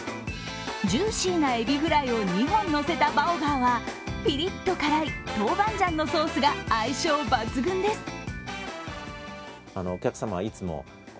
ジューシーなエビフライを２本のせたバオガーはピリッと辛いトウバンジャンのソースが相性抜群です。